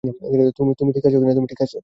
তুমি ঠিক আছে?